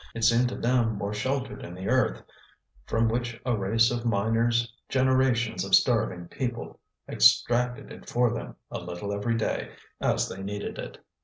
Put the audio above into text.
It seemed to them more sheltered in the earth, from which a race of miners, generations of starving people, extracted it for them, a little every day, as they needed it.